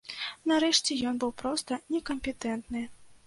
Нарэшце, ён быў проста некампетэнтны.